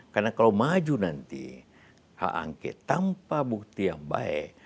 karena kalau maju nanti hak angkit tanpa bukti yang baik